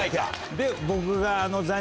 で僕が。